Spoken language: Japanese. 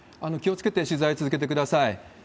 気をつけて取材続けてください。